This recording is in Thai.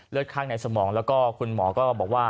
ข้างในสมองแล้วก็คุณหมอก็บอกว่า